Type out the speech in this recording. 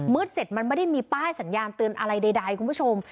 เสร็จมันไม่ได้มีป้ายสัญญาณเตือนอะไรใดคุณผู้ชม